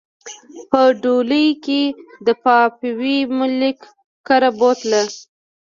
په ډولۍ کښې د پاپاوي ملک کره بوتله